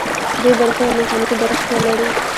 دوی برقي او میخانیکي برخې لري.